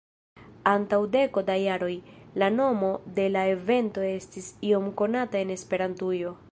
Antaŭ deko da jaroj, la nomo de la evento estis iom konata en Esperantujo.